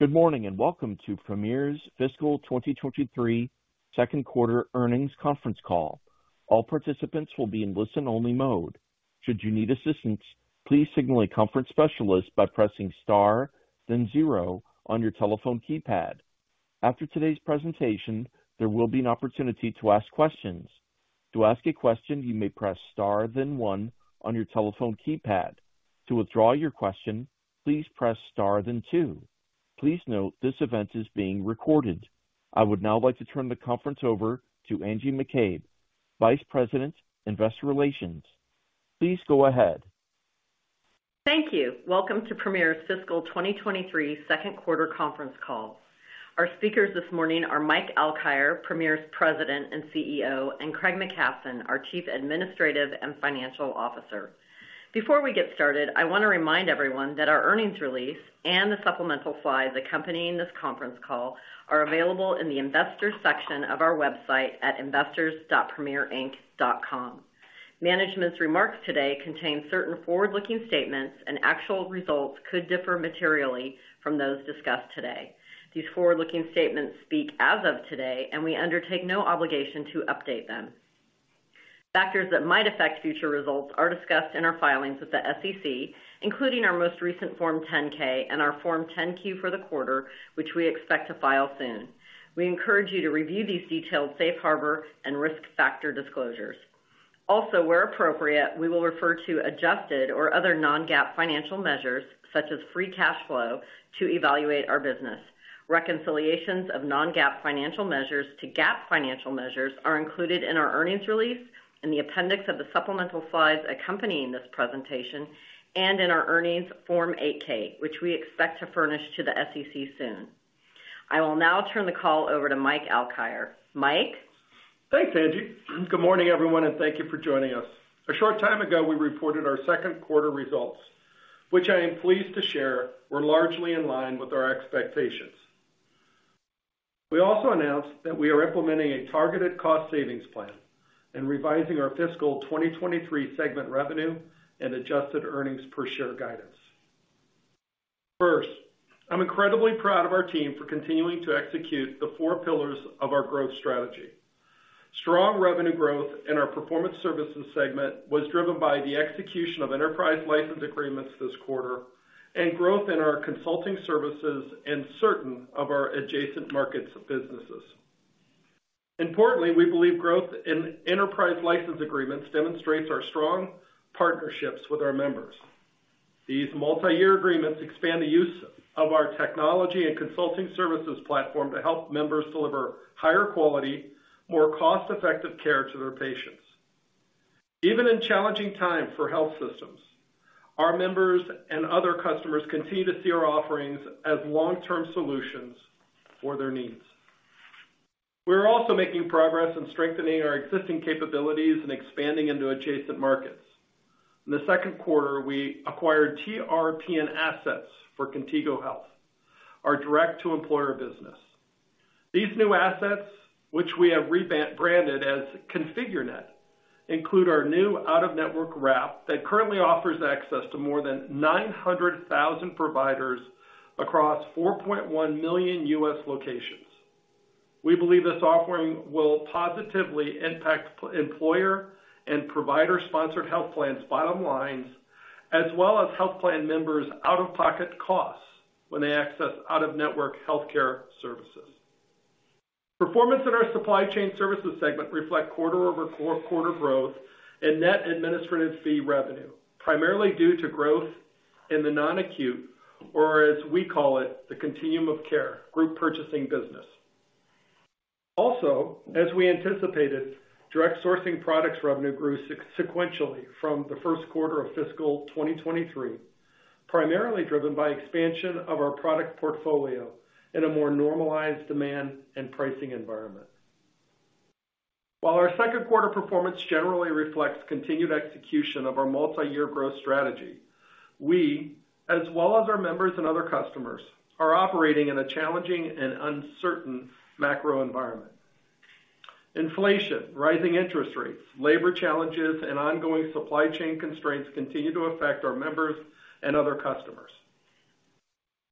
Good morning, welcome to Premier's fiscal 2023 second quarter earnings conference call. All participants will be in listen-only mode. Should you need assistance, please signal a conference specialist by pressing star, then zero on your telephone keypad. After today's presentation, there will be an opportunity to ask questions. To ask a question, you may press star then one on your telephone keypad. To withdraw your question, please press star then two. Please note this event is being recorded. I would now like to turn the conference over to Angie McCabe, Vice President, Investor Relations. Please go ahead. Thank you. Welcome to Premier's fiscal 2023 second quarter conference call. Our speakers this morning are Mike Alkire, Premier's President and CEO, and Craig McKasson, our Chief Administrative and Financial Officer. Before we get started, I want to remind everyone that our earnings release and the supplemental slides accompanying this conference call are available in the Investors section of our website at investors.premierinc.com. Management's remarks today contain certain forward-looking statements, and actual results could differ materially from those discussed today. These forward-looking statements speak as of today, and we undertake no obligation to update them. Factors that might affect future results are discussed in our filings with the SEC, including our most recent Form 10-K and our Form 10-Q for the quarter, which we expect to file soon. We encourage you to review these detailed safe harbor and risk factor disclosures. Also, where appropriate, we will refer to adjusted or other non-GAAP financial measures, such as free cash flow, to evaluate our business. Reconciliations of non-GAAP financial measures to GAAP financial measures are included in our earnings release in the appendix of the supplemental slides accompanying this presentation and in our earnings Form 8-K, which we expect to furnish to the SEC soon. I will now turn the call over to Mike Alkire. Mike? Thanks, Angie. Good morning, everyone, and thank you for joining us. A short time ago, we reported our second quarter results, which I am pleased to share were largely in line with our expectations. We also announced that we are implementing a targeted cost savings plan and revising our fiscal 2023 segment revenue and adjusted earnings per share guidance. First, I'm incredibly proud of our team for continuing to execute the four pillars of our growth strategy. Strong revenue growth in our Performance Services segment was driven by the execution of enterprise license agreements this quarter and growth in our consulting services and certain of our adjacent markets businesses. Importantly, we believe growth in enterprise license agreements demonstrates our strong partnerships with our members. These multi-year agreements expand the use of our technology and consulting services platform to help members deliver higher quality, more cost-effective care to their patients. Even in challenging times for health systems, our members and other customers continue to see our offerings as long-term solutions for their needs. We're also making progress in strengthening our existing capabilities and expanding into adjacent markets. In the second quarter, we acquired TRPN assets for Contigo Health, our direct-to-employer business. These new assets, which we have rebranded as ConfigureNet, include our new out-of-network wrap that currently offers access to more than 900,000 providers across 4.1 million U.S. locations. We believe this offering will positively impact employer and provider-sponsored health plans' bottom lines, as well as health plan members' out-of-pocket costs when they access out-of-network healthcare services. Performance in our Supply Chain Services segment reflects quarter-over-quarter growth and net administrative fee revenue, primarily due to growth in the non-acute, or as we call it, the Continuum of Care group purchasing business. As we anticipated, direct sourcing products revenue grew sequentially from the first quarter of fiscal 2023, primarily driven by expansion of our product portfolio in a more normalized demand and pricing environment. While our second quarter performance generally reflects continued execution of our multi-year growth strategy, we, as well as our members and other customers, are operating in a challenging and uncertain macro environment. Inflation, rising interest rates, labor challenges, and ongoing Supply Chain constraints continue to affect our members and other customers.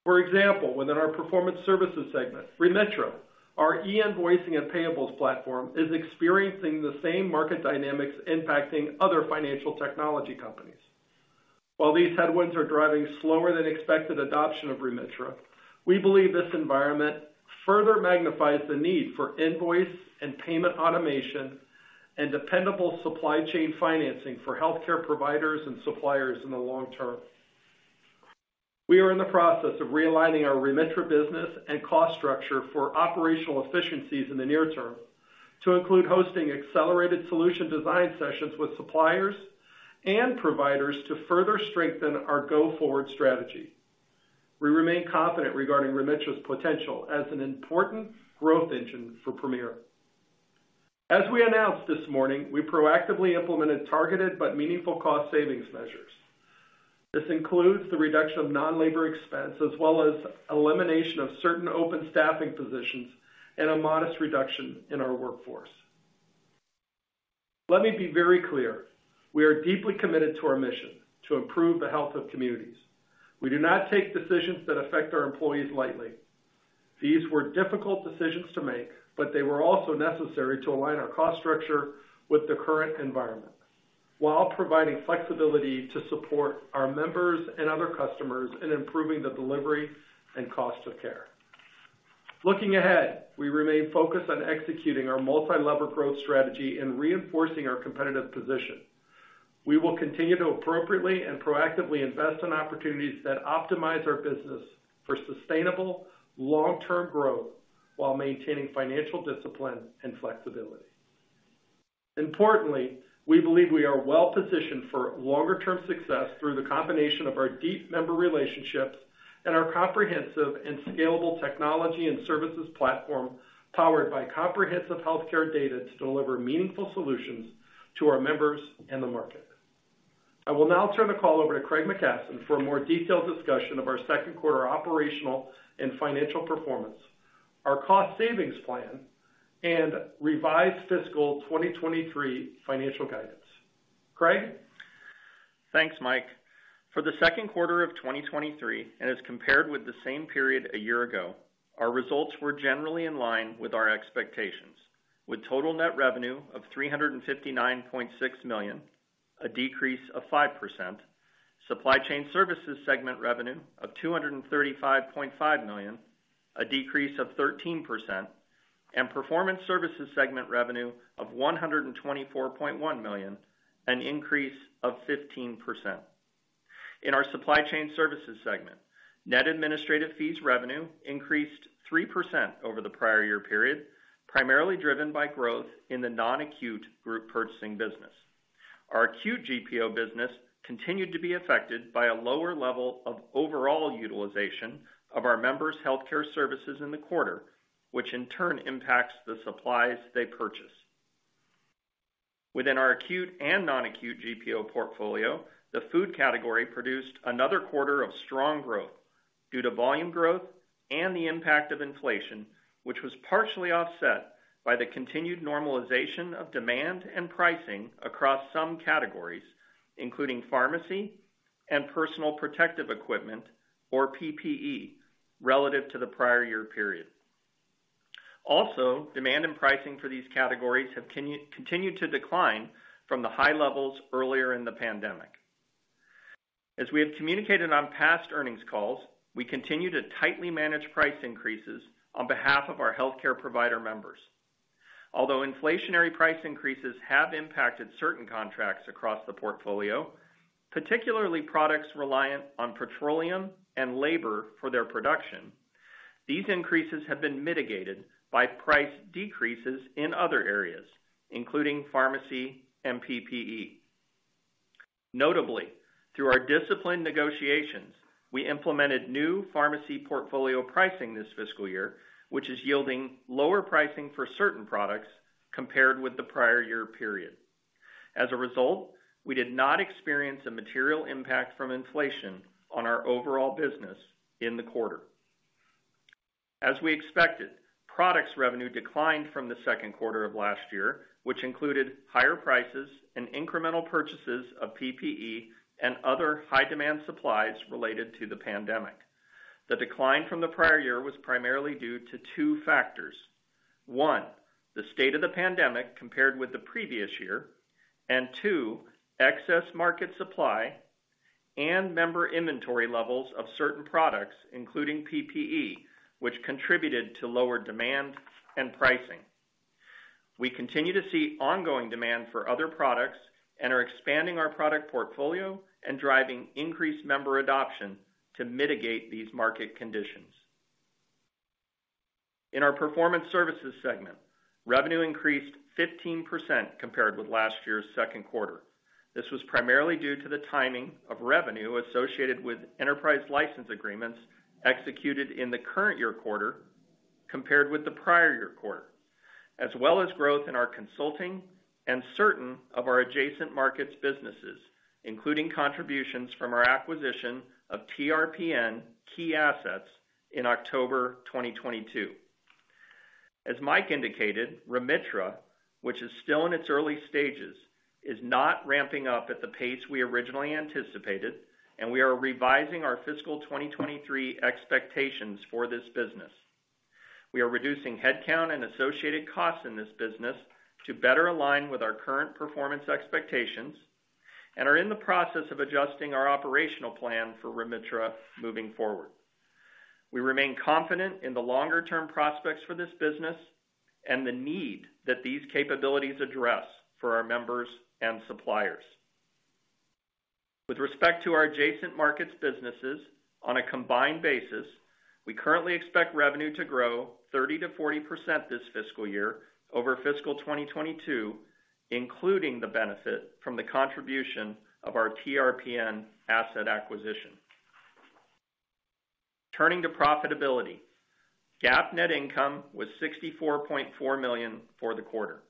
For example, within our Performance Services segment, Remitra, our e-invoicing and payables platform, is experiencing the same market dynamics impacting other financial technology companies. While these headwinds are driving slower-than-expected adoption of Remitra, we believe this environment further magnifies the need for invoice and payment automation and dependable Supply Chain financing for healthcare providers and suppliers in the long term. We are in the process of realigning our Remitra business and cost structure for operational efficiencies in the near term to include hosting Accelerated Solution Design sessions with suppliers and providers to further strengthen our go-forward strategy. We remain confident regarding Remitra's potential as an important growth engine for Premier. We announced this morning we proactively implemented targeted but meaningful cost savings measures. This includes the reduction of non-labor expense as well as elimination of certain open staffing positions and a modest reduction in our workforce. Let me be very clear. We are deeply committed to our mission to improve the health of communities. We do not take decisions that affect our employees lightly. These were difficult decisions to make, but they were also necessary to align our cost structure with the current environment while providing flexibility to support our members and other customers in improving the delivery and cost of care. Looking ahead, we remain focused on executing our multi-lever growth strategy and reinforcing our competitive position. We will continue to appropriately and proactively invest in opportunities that optimize our business for sustainable long-term growth while maintaining financial discipline and flexibility. Importantly, we believe we are well positioned for longer-term success through the combination of our deep member relationships and our comprehensive and scalable technology and services platform, powered by comprehensive healthcare data to deliver meaningful solutions to our members and the market. I will now turn the call over to Craig McKasson for a more detailed discussion of our second quarter operational and financial performance, our cost savings plan, and revised fiscal 2023 financial guidance. Craig? Thanks, Mike. For the second quarter of 2023, as compared with the same period a year ago, our results were generally in line with our expectations, with total net revenue of $359.6 million, a decrease of 5%, Supply Chain Services segment revenue of $235.5 million, a decrease of 13%, and Performance Services segment revenue of $124.1 million, an increase of 15%. In our Supply Chain Services segment, net administrative fees revenue increased 3% over the prior year period, primarily driven by growth in the non-acute group purchasing business. Our acute GPO business continued to be affected by a lower level of overall utilization of our members' healthcare services in the quarter, which in turn impacts the supplies they purchase. Within our acute and non-acute GPO portfolio, the food category produced another quarter of strong growth due to volume growth and the impact of inflation, which was partially offset by the continued normalization of demand and pricing across some categories, including pharmacy and personal protective equipment, or PPE, relative to the prior year period. Demand and pricing for these categories have continued to decline from the high levels earlier in the pandemic. As we have communicated on past earnings calls, we continue to tightly manage price increases on behalf of our healthcare provider members. Although inflationary price increases have impacted certain contracts across the portfolio, particularly products reliant on petroleum and labor for their production, these increases have been mitigated by price decreases in other areas, including pharmacy and PPE. Notably, through our disciplined negotiations, we implemented new pharmacy portfolio pricing this fiscal year, which is yielding lower pricing for certain products compared with the prior year period. As a result, we did not experience a material impact from inflation on our overall business in the quarter. As we expected, products revenue declined from the second quarter of last year, which included higher prices and incremental purchases of PPE and other high demand supplies related to the pandemic. The decline from the prior year was primarily due to two factors. One, the state of the pandemic compared with the previous year. Two, excess market supply and member inventory levels of certain products, including PPE, which contributed to lower demand and pricing. We continue to see ongoing demand for other products and are expanding our product portfolio and driving increased member adoption to mitigate these market conditions. In our Performance Services segment, revenue increased 15% compared with last year's second quarter. This was primarily due to the timing of revenue associated with enterprise license agreements executed in the current year quarter compared with the prior year quarter, as well as growth in our consulting and certain of our adjacent markets businesses, including contributions from our acquisition of TRPN key assets in October 2022. As Mike indicated, Remitra, which is still in its early stages, is not ramping up at the pace we originally anticipated. We are revising our fiscal 2023 expectations for this business. We are reducing headcount and associated costs in this business to better align with our current performance expectations and are in the process of adjusting our operational plan for Remitra moving forward. We remain confident in the longer-term prospects for this business and the need that these capabilities address for our members and suppliers. With respect to our adjacent markets businesses, on a combined basis, we currently expect revenue to grow 30%-40% this fiscal year over fiscal 2022, including the benefit from the contribution of our TRPN asset acquisition. Turning to profitability, GAAP net income was $64.4 million for the quarter.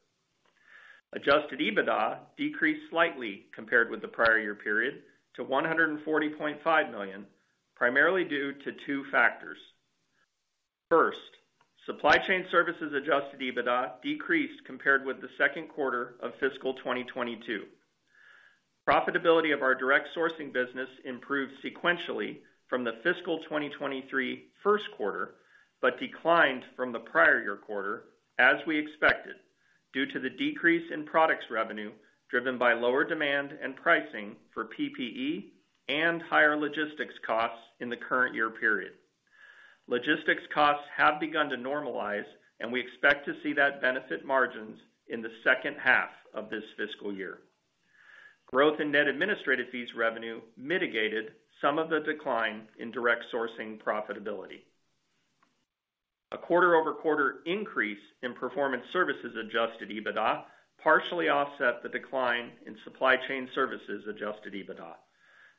Adjusted EBITDA decreased slightly compared with the prior year period to $140.5 million, primarily due to two factors. First, Supply Chain Services adjusted EBITDA decreased compared with the second quarter of fiscal 2022. Profitability of our direct sourcing business improved sequentially from the fiscal 2023 first quarter, declined from the prior year quarter, as we expected, due to the decrease in products revenue driven by lower demand and pricing for PPE and higher logistics costs in the current year period. Logistics costs have begun to normalize, we expect to see that benefit margins in the second half of this fiscal year. Growth in net administrative fees revenue mitigated some of the decline in direct sourcing profitability. A quarter-over-quarter increase in Performance Services adjusted EBITDA partially offset the decline in Supply Chain Services adjusted EBITDA.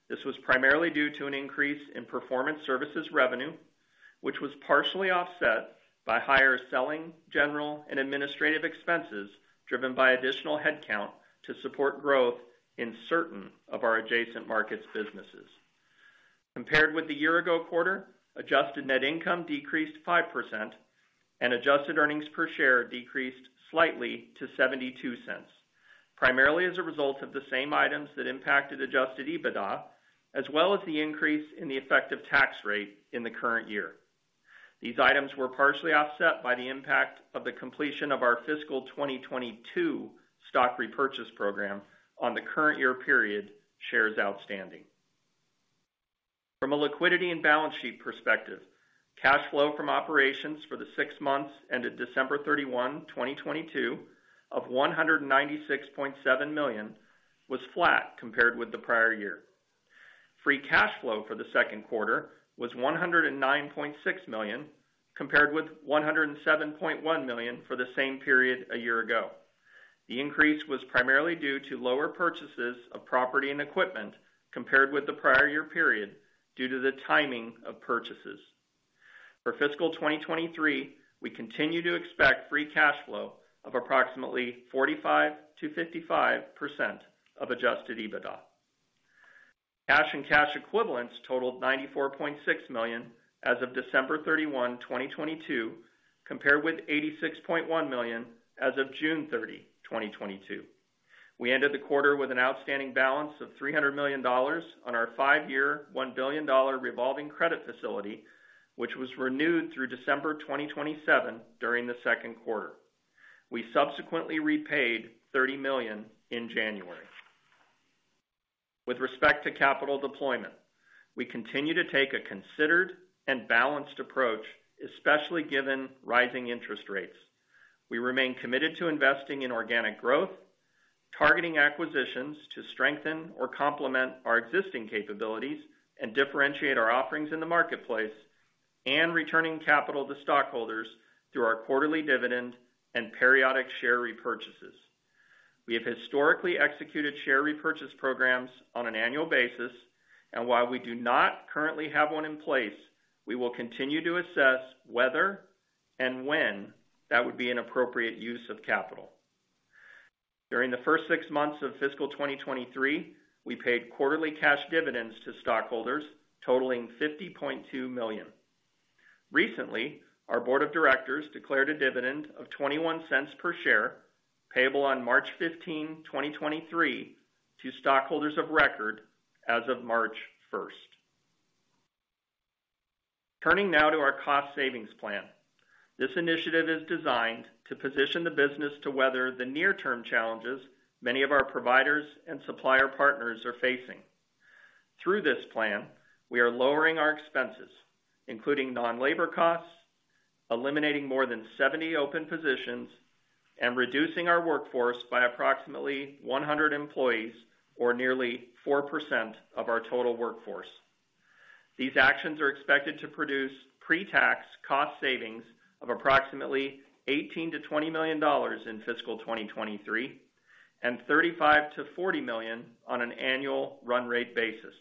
This was primarily due to an increase in Performance Services revenue, which was partially offset by higher selling, general and administrative expenses driven by additional headcount to support growth in certain of our adjacent markets businesses. Compared with the year-ago quarter, adjusted net income decreased 5% and adjusted earnings per share decreased slightly to $0.72, primarily as a result of the same items that impacted adjusted EBITDA, as well as the increase in the effective tax rate in the current year. These items were partially offset by the impact of the completion of our fiscal 2022 stock repurchase program on the current year period shares outstanding. From a liquidity and balance sheet perspective, cash flow from operations for the 6 months ended December 31, 2022 of $196.7 million was flat compared with the prior year. Free cash flow for the second quarter was $109.6 million, compared with $107.1 million for the same period a year-ago. The increase was primarily due to lower purchases of property and equipment compared with the prior year period due to the timing of purchases. For fiscal 2023, we continue to expect free cash flow of approximately 45%-55% of adjusted EBITDA. Cash and cash equivalents totaled $94.6 million as of December 31, 2022, compared with $86.1 million as of June 30, 2022. We ended the quarter with an outstanding balance of $300 million on our five-year, $1 billion revolving credit facility, which was renewed through December 2027 during the second quarter. We subsequently repaid $30 million in January. With respect to capital deployment, we continue to take a considered and balanced approach, especially given rising interest rates. We remain committed to investing in organic growth, targeting acquisitions to strengthen or complement our existing capabilities and differentiate our offerings in the marketplace, and returning capital to stockholders through our quarterly dividend and periodic share repurchases. We have historically executed share repurchase programs on an annual basis. While we do not currently have one in place, we will continue to assess whether and when that would be an appropriate use of capital. During the first six months of fiscal 2023, we paid quarterly cash dividends to stockholders totaling $50.2 million. Recently, our board of directors declared a dividend of $0.21 per share, payable on March 15, 2023 to stockholders of record as of March 1st. Turning now to our cost savings plan. This initiative is designed to position the business to weather the near-term challenges many of our providers and supplier partners are facing. Through this plan, we are lowering our expenses, including non-labor costs, eliminating more than 70 open positions, and reducing our workforce by approximately 100 employees or nearly 4% of our total workforce. These actions are expected to produce pre-tax cost savings of approximately $18 million-$20 million in fiscal 2023 and $35 million-$40 million on an annual run rate basis.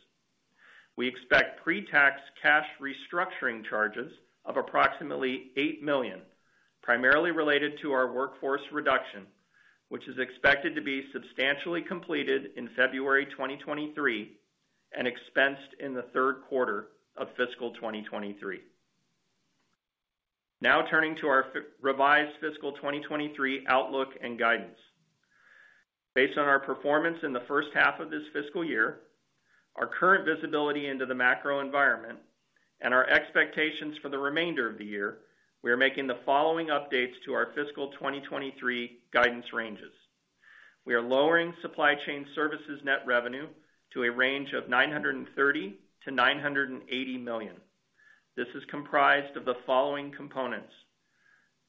We expect pre-tax cash restructuring charges of approximately $8 million, primarily related to our workforce reduction. Which is expected to be substantially completed in February 2023 and expensed in the third quarter of fiscal 2023. Now turning to our revised fiscal 2023 outlook and guidance. Based on our performance in the first half of this fiscal year, our current visibility into the macro environment and our expectations for the remainder of the year, we are making the following updates to our fiscal 2023 guidance ranges. We are lowering Supply Chain Services net revenue to a range of $930 million-$980 million. This is comprised of the following components.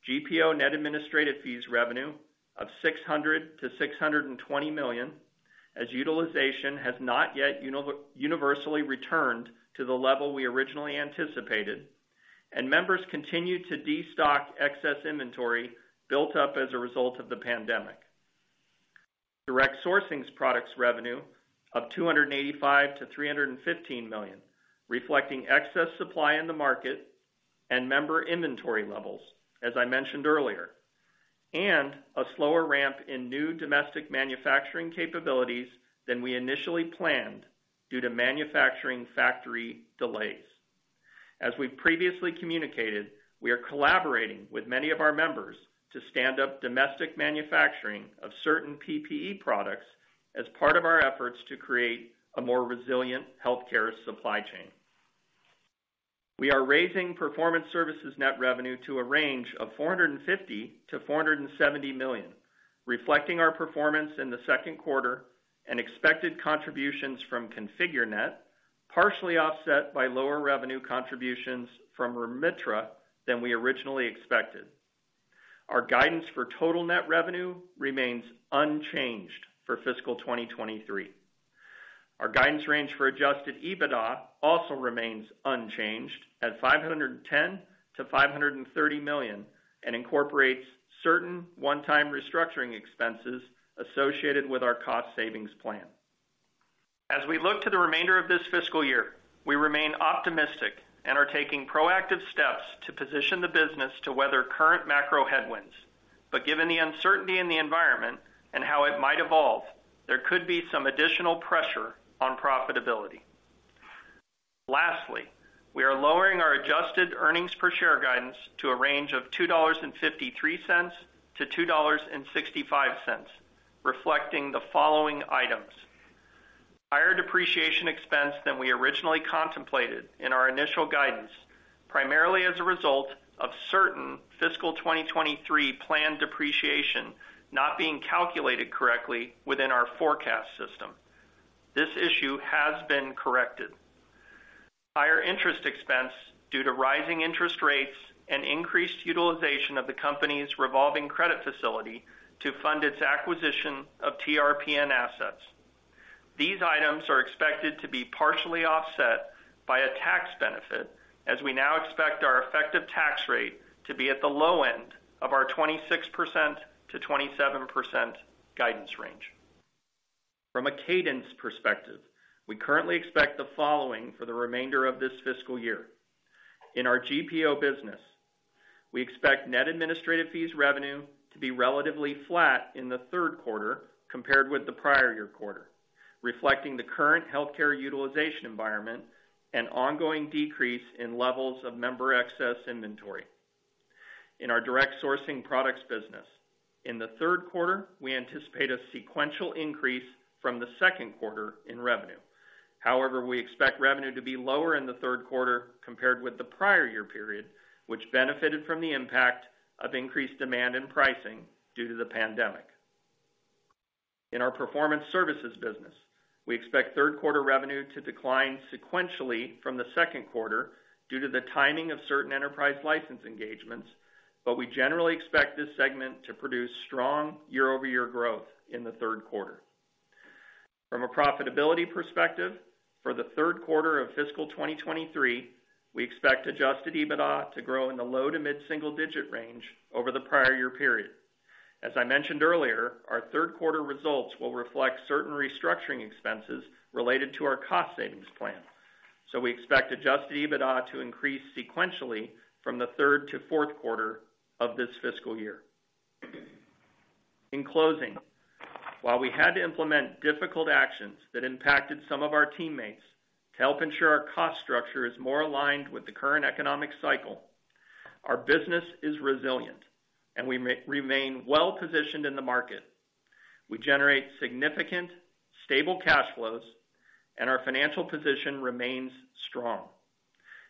GPO net administrative fees revenue of $600 million-$620 million, as utilization has not yet universally returned to the level we originally anticipated, and members continue to destock excess inventory built up as a result of the pandemic. Direct sourcing's products revenue of $285 million-$315 million, reflecting excess supply in the market and member inventory levels, as I mentioned earlier. A slower ramp in new domestic manufacturing capabilities than we initially planned due to manufacturing factory delays. As we previously communicated, we are collaborating with many of our members to stand up domestic manufacturing of certain PPE products as part of our efforts to create a more resilient healthcare Supply Chain. We are raising Performance Services net revenue to a range of $450 million-$470 million, reflecting our performance in the second quarter and expected contributions from ConfigureNet, partially offset by lower revenue contributions from Remitra than we originally expected. Our guidance for total net revenue remains unchanged for fiscal 2023. Our guidance range for adjusted EBITDA also remains unchanged at $510 million-$530 million and incorporates certain one-time restructuring expenses associated with our cost savings plan. Given the uncertainty in the environment and how it might evolve, there could be some additional pressure on profitability. Lastly, we are lowering our adjusted earnings per share guidance to a range of $2.53-$2.65, reflecting the following items. Higher depreciation expense than we originally contemplated in our initial guidance, primarily as a result of certain fiscal 2023 planned depreciation not being calculated correctly within our forecast system. This issue has been corrected. Higher interest expense due to rising interest rates and increased utilization of the company's revolving credit facility to fund its acquisition of TRPN assets. These items are expected to be partially offset by a tax benefit, as we now expect our effective tax rate to be at the low end of our 26%-27% guidance range. From a cadence perspective, we currently expect the following for the remainder of this fiscal year. In our GPO business, we expect net administrative fees revenue to be relatively flat in the third quarter compared with the prior year quarter, reflecting the current healthcare utilization environment and ongoing decrease in levels of member excess inventory. In our direct sourcing products business, in the third quarter, we anticipate a sequential increase from the second quarter in revenue. We expect revenue to be lower in the third quarter compared with the prior year period, which benefited from the impact of increased demand and pricing due to the pandemic. In our Performance Services business, we expect third quarter revenue to decline sequentially from the second quarter due to the timing of certain enterprise license engagements, but we generally expect this segment to produce strong year-over-year growth in the third quarter. From a profitability perspective, for the third quarter of fiscal 2023, we expect adjusted EBITDA to grow in the low to mid-single-digit range over the prior year period. As I mentioned earlier, our third quarter results will reflect certain restructuring expenses related to our cost savings plan. We expect adjusted EBITDA to increase sequentially from the third to fourth quarter of this fiscal year. In closing, while we had to implement difficult actions that impacted some of our teammates to help ensure our cost structure is more aligned with the current economic cycle, our business is resilient, and we remain well positioned in the market. We generate significant stable cash flows, and our financial position remains strong.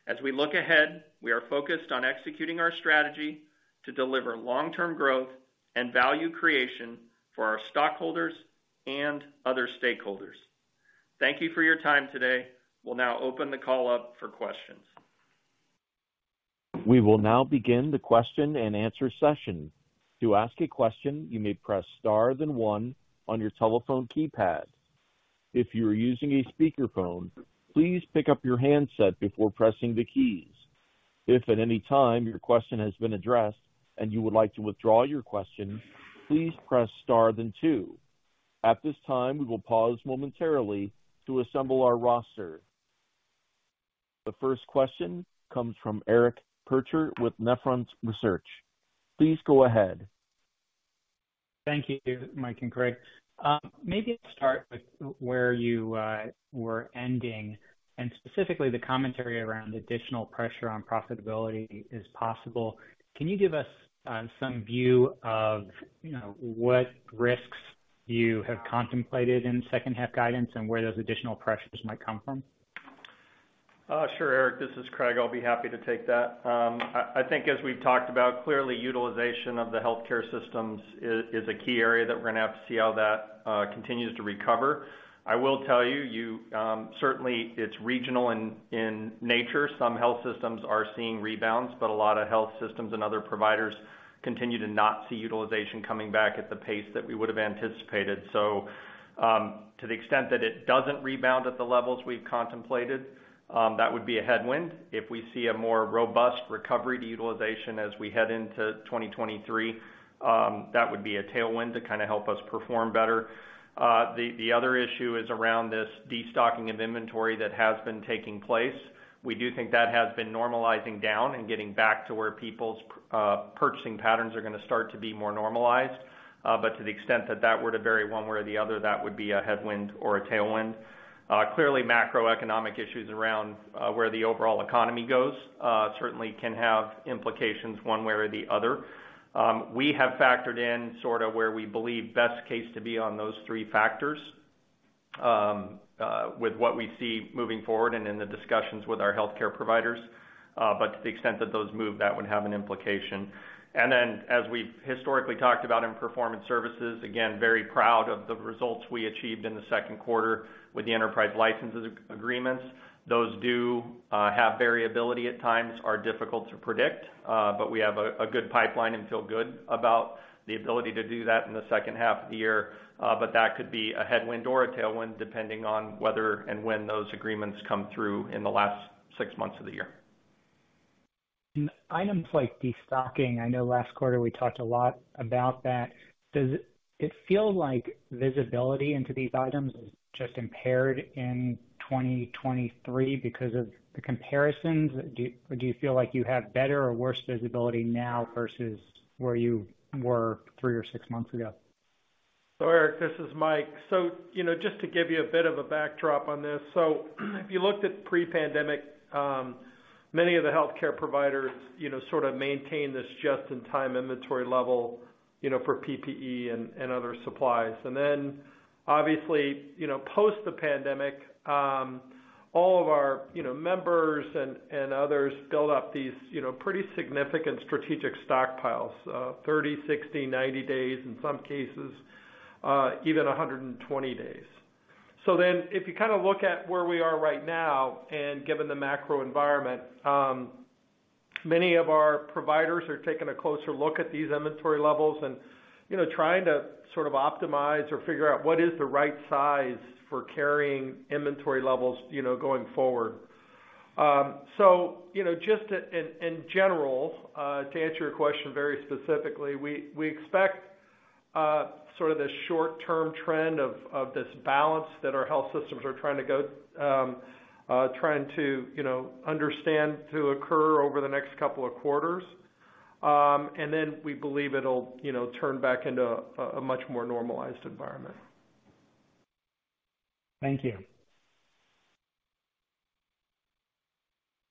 As we look ahead, we are focused on executing our strategy to deliver long-term growth and value creation for our stockholders and other stakeholders. Thank you for your time today. We'll now open the call up for questions. We will now begin the question-and-answer session. To ask a question, you may press star then one on your telephone keypad. If you are using a speakerphone, please pick up your handset before pressing the keys. If at any time your question has been addressed and you would like to withdraw your question, please press star then two. At this time, we will pause momentarily to assemble our roster. The first question comes from Eric Percher with Nephron Research. Please go ahead. Thank you, Mike and Craig. Maybe I'll start with where you were ending, specifically the commentary around additional pressure on profitability is possible. Can you give us some view of, you know, what risks you have contemplated in second half guidance and where those additional pressures might come from? Sure, Eric, this is Craig. I'll be happy to take that. I think as we've talked about, clearly utilization of the healthcare systems is a key area that we're gonna have to see how that continues to recover. I will tell you, certainly it's regional in nature. Some health systems are seeing rebounds, but a lot of health systems and other providers continue to not see utilization coming back at the pace that we would have anticipated. To the extent that it doesn't rebound at the levels we've contemplated, that would be a headwind. If we see a more robust recovery to utilization as we head into 2023, that would be a tailwind to kinda help us perform better. The other issue is around this destocking of inventory that has been taking place. We do think that has been normalizing down and getting back to where people's purchasing patterns are going to start to be more normalized. To the extent that that were to vary one way or the other, that would be a headwind or a tailwind. Clearly macroeconomic issues around where the overall economy goes, certainly can have implications one way or the other. We have factored in sort of where we believe best case to be on those three factors with what we see moving forward and in the discussions with our healthcare providers. To the extent that those move, that would have an implication. As we've historically talked about in Performance Services, again, very proud of the results we achieved in the second quarter with the enterprise license agreements. Those do have variability at times, are difficult to predict. We have a good pipeline and feel good about the ability to do that in the second half of the year. That could be a headwind or a tailwind depending on whether and when those agreements come through in the last six months of the year. In items like destocking, I know last quarter we talked a lot about that. Does it feel like visibility into these items is just impaired in 2023 because of the comparisons? Do you feel like you have better or worse visibility now versus where you were three or six months ago? Eric, this is Mike. You know, just to give you a bit of a backdrop on this. If you looked at pre-pandemic, many of the healthcare providers, you know, sorta maintained this just-in-time inventory level, you know, for PPE and other supplies. Obviously, you know, post the pandemic, all of our, you know, members and others built up these, you know, pretty significant strategic stockpiles of 30, 60, 90 days, in some cases, even 120 days. If you kinda look at where we are right now and given the macro environment, many of our providers are taking a closer look at these inventory levels and, you know, trying to sort of optimize or figure out what is the right size for carrying inventory levels, you know, going forward. You know, just in general, to answer your question very specifically, we expect sort of this short-term trend of this balance that our health systems are trying to go, trying to, you know, understand to occur over the next couple of quarters. We believe it'll, you know, turn back into a much more normalized environment. Thank you.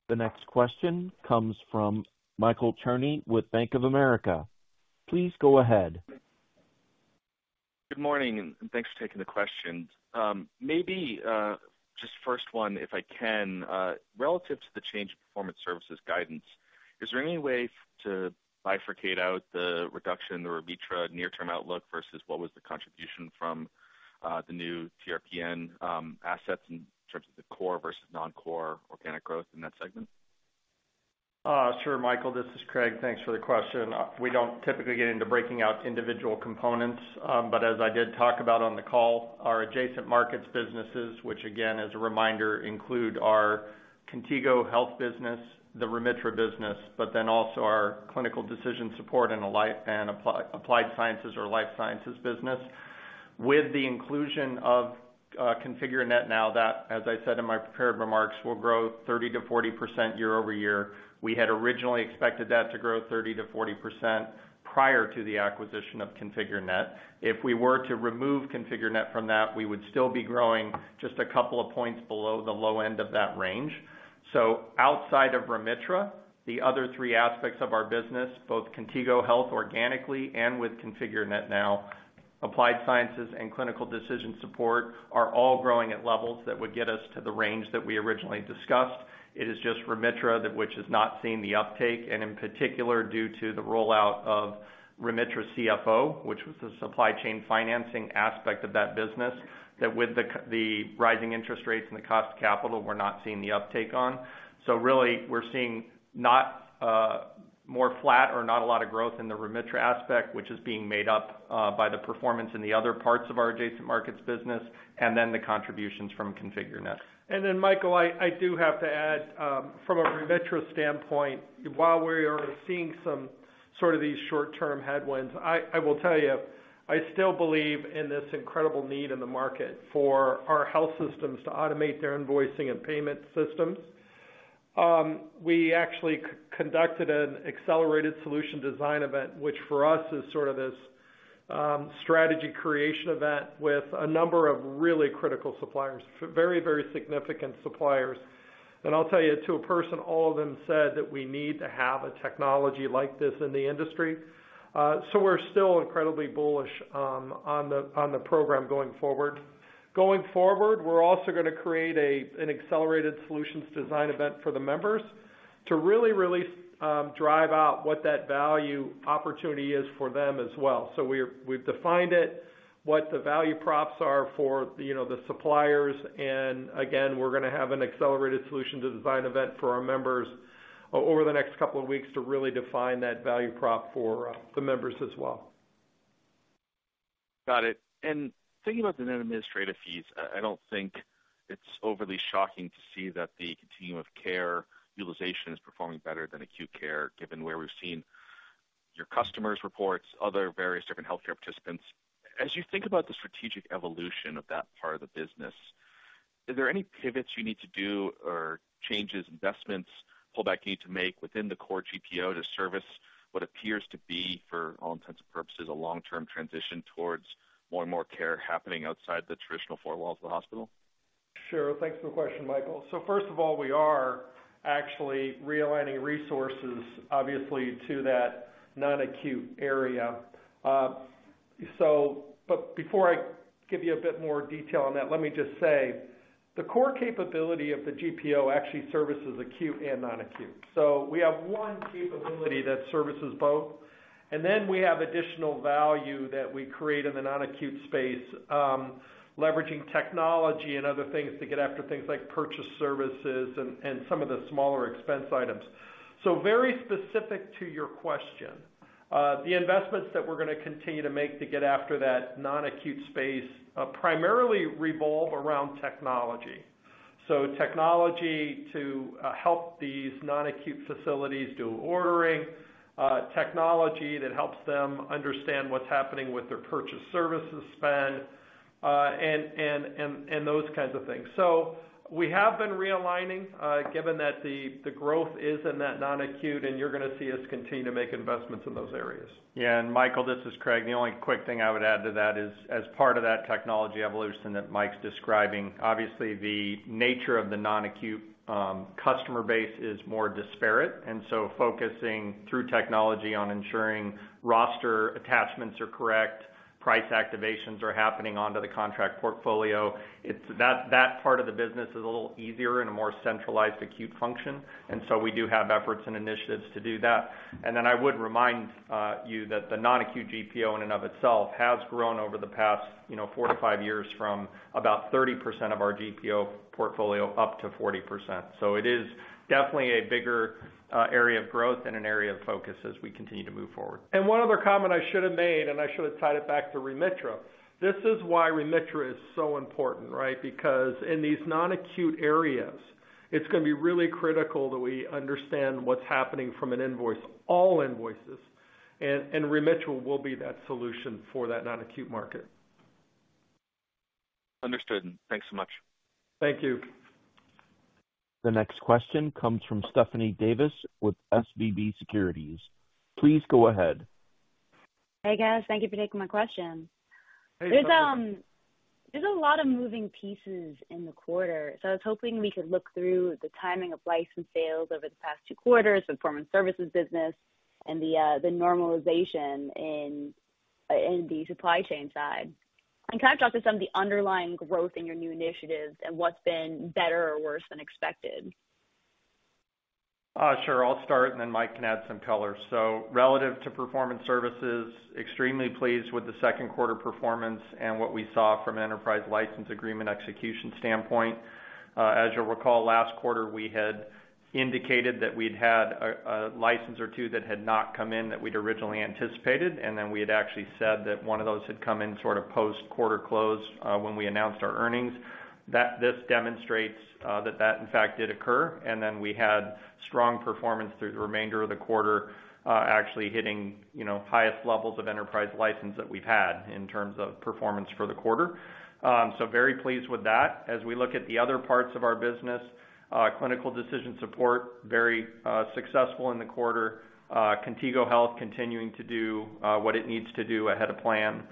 The next question comes from Michael Cherny with Bank of America. Please go ahead. Good morning, thanks for taking the questions. Maybe, just first one, if I can, relative to the change in Performance Services guidance, is there any way to bifurcate out the reduction or Remitra near-term outlook versus what was the contribution from the new TRPN assets in terms of the core versus non-core organic growth in that segment? Sure, Michael, this is Craig. Thanks for the question. We don't typically get into breaking out individual components. As I did talk about on the call, our adjacent markets businesses, which again, as a reminder, include our Contigo Health business, the Remitra business, but then also our Clinical Decision Support and applied sciences or life sciences business. With the inclusion of ConfigureNet now, that, as I said in my prepared remarks, will grow 30%-40% year-over-year. We had originally expected that to grow 30%-40% prior to the acquisition of ConfigureNet. If we were to remove ConfigureNet from that, we would still be growing just a couple of points below the low end of that range. Outside of Remitra, the other three aspects of our business, both Contigo Health organically and with ConfigureNet now, Applied Sciences and Clinical Decision Support, are all growing at levels that would get us to the range that we originally discussed. It is just Remitra that which has not seen the uptake, and in particular, due to the rollout of Remitra CFO, which was the Supply Chain financing aspect of that business, that with the rising interest rates and the cost of capital, we're not seeing the uptake on. Really, we're seeing not, more flat or not a lot of growth in the Remitra aspect, which is being made up, by the performance in the other parts of our adjacent markets business, and then the contributions from ConfigureNet. Michael, I do have to add, from a Remitra standpoint, while we are seeing some sort of these short-term headwinds, I will tell you, I still believe in this incredible need in the market for our health systems to automate their invoicing and payment systems. We actually conducted an Accelerated Solution Design event, which for us is sort of this strategy creation event with a number of really critical, very significant suppliers. I'll tell you, to a person, all of them said that we need to have a technology like this in the industry. We're still incredibly bullish on the program going forward. Going forward, we're also going to create an Accelerated Solutions Design event for the members to really drive out what that value opportunity is for them as well. We've defined it, what the value props are for, you know, the suppliers. Again, we're gonna have an accelerated solution to design event for our members over the next couple of weeks to really define that value prop for the members as well. Got it. Thinking about the net administrative fees, I don't think it's overly shocking to see that the continuum of care utilization is performing better than acute care, given where we've seen your customers' reports, other various different healthcare participants. As you think about the strategic evolution of that part of the business, is there any pivots you need to do or changes, investments, pullback you need to make within the core GPO to service what appears to be, for all intents and purposes, a long-term transition towards more and more care happening outside the traditional four walls of the hospital? Sure. Thanks for the question, Michael. First of all, we are actually realigning resources, obviously, to that non-acute area. But before I give you a bit more detail on that, let me just say, the core capability of the GPO actually services acute and non-acute. We have one capability that services both, and then we have additional value that we create in the non-acute space, leveraging technology and other things to get after things like purchase services and some of the smaller expense items. Very specific to your question, the investments that we're gonna continue to make to get after that non-acute space, primarily revolve around technology. Technology to help these non-acute facilities do ordering, technology that helps them understand what's happening with their purchase services spend, and those kinds of things. We have been realigning, given that the growth is in that non-acute, and you're gonna see us continue to make investments in those areas. Michael Cherny, this is Craig McKasson. The only quick thing I would add to that is, as part of that technology evolution that Mike's describing, obviously the nature of the non-acute customer base is more disparate, and so focusing through technology on ensuring roster attachments are correct, price activations are happening onto the contract portfolio. That part of the business is a little easier in a more centralized acute function, and so we do have efforts and initiatives to do that. Then I would remind you that the non-acute GPO in and of itself has grown over the past, you know, four to five years from about 30% of our GPO portfolio up to 40%. It is definitely a bigger area of growth and an area of focus as we continue to move forward. One other comment I should have made, and I should have tied it back to Remitra. This is why Remitra is so important, right? Because in these non-acute areas, it's gonna be really critical that we understand what's happening from an invoice, all invoices, and Remitra will be that solution for that non-acute market. Understood. Thanks so much. Thank you. The next question comes from Stephanie Davis with SVB Securities. Please go ahead. Hey, guys. Thank you for taking my question. Hey, Stephanie. There's a lot of moving pieces in the quarter, so I was hoping we could look through the timing of license sales over the past two quarters, the Performance Services business and the normalization in the Supply Chain side. Can I talk to some of the underlying growth in your new initiatives and what's been better or worse than expected? Sure. I'll start, and then Mike can add some color. Relative to Performance Services, extremely pleased with the second quarter performance and what we saw from an enterprise license agreement execution standpoint. As you'll recall, last quarter, we had indicated that we'd had a license or two that had not come in that we'd originally anticipated, and then we had actually said that one of those had come in sort of post quarter close, when we announced our earnings. This demonstrates that in fact did occur, and then we had strong performance through the remainder of the quarter, actually hitting, you know, highest levels of enterprise license that we've had in terms of performance for the quarter. Very pleased with that. As we look at the other parts of our business, Clinical Decision Support, very successful in the quarter. Contigo Health continuing to do what it needs to do ahead of plan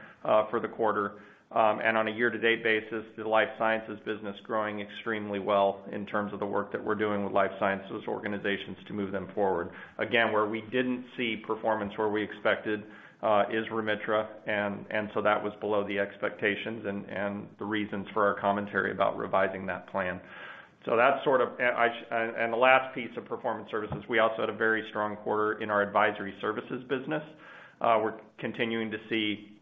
for the quarter. On a year-to-date basis, the life sciences business growing extremely well in terms of the work that we're doing with life sciences organizations to move them forward. Again, where we didn't see performance where we expected, is Remitra, and so that was below the expectations and the reasons for our commentary about revising that plan. That's sort of. The last piece of Performance Services, we also had a very strong quarter in our advisory services business. We're continuing to see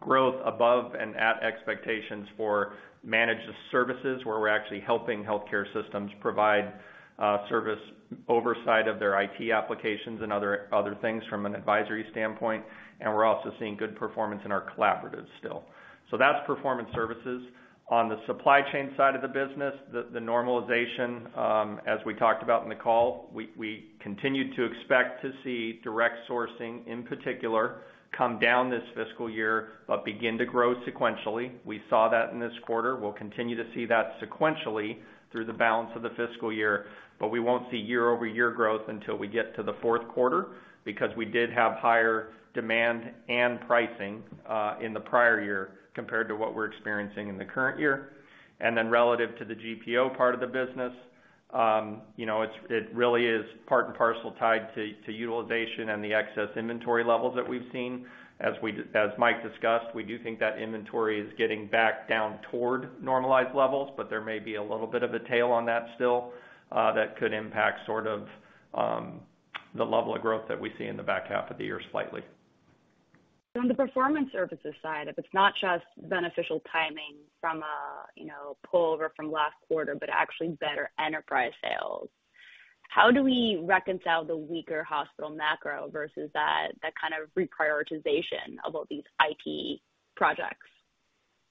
growth above and at expectations for managed services, where we're actually helping healthcare systems provide service oversight of their IT applications and other things from an advisory standpoint, and we're also seeing good performance in our collaboratives still. That's Performance Services. On the Supply Chain side of the business, the normalization, as we talked about in the call, we continue to expect to see direct sourcing, in particular, come down this fiscal year, but begin to grow sequentially. We saw that in this quarter. We'll continue to see that sequentially through the balance of the fiscal year, but we won't see year-over-year growth until we get to the fourth quarter because we did have higher demand and pricing in the prior year compared to what we're experiencing in the current year. Relative to the GPO part of the business, you know, it's, it really is part and parcel tied to utilization and the excess inventory levels that we've seen. As Mike discussed, we do think that inventory is getting back down toward normalized levels, but there may be a little bit of a tail on that still, that could impact sort of, the level of growth that we see in the back half of the year slightly. On the Performance Services side, if it's not just beneficial timing from a, you know, pullover from last quarter, but actually better enterprise sales, how do we reconcile the weaker hospital macro versus that kind of reprioritization of all these IT projects?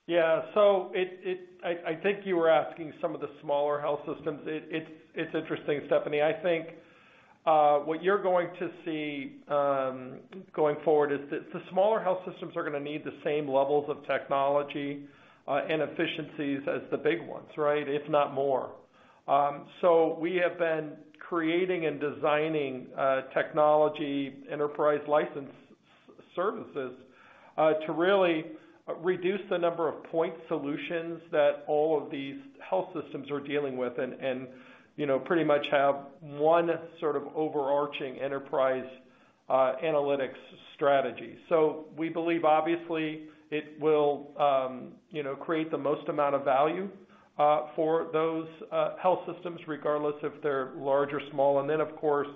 Yeah. I think you were asking some of the smaller health systems. It's interesting, Stephanie. I think what you're going to see going forward is the smaller health systems are gonna need the same levels of technology and efficiencies as the big ones, right? If not more. We have been creating and designing technology enterprise license services to really reduce the number of point solutions that all of these health systems are dealing with and, you know, pretty much have one sort of overarching enterprise analytics strategy. We believe obviously it will, you know, create the most amount of value for those health systems regardless if they're large or small. Of course,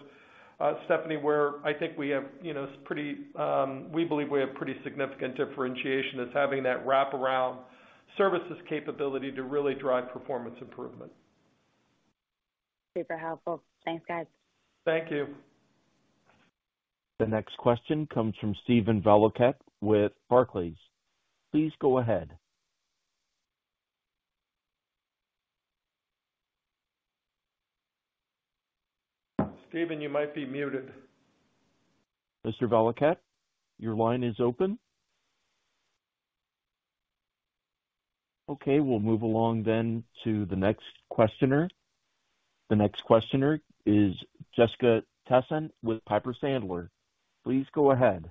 Stephanie, where I think we have, you know, pretty, we believe we have pretty significant differentiation that's having that wraparound services capability to really drive performance improvement. Super helpful. Thanks, guys. Thank you. The next question comes from Steven Valiquette with Barclays. Please go ahead. Steven, you might be muted. Mr. Valiquette, your line is open. Okay, we'll move along to the next questioner. The next questioner is Jessica Tassan with Piper Sandler. Please go ahead.